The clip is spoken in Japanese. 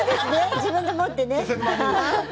自分で持ってね。